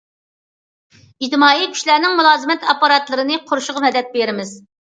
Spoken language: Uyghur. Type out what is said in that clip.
ئىجتىمائىي كۈچلەرنىڭ مۇلازىمەت ئاپپاراتلىرىنى قۇرۇشىغا مەدەت بېرىمىز.